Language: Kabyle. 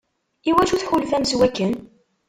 Iwacu tḥulfam s wakken?